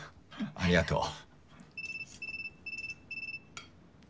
ありがとう。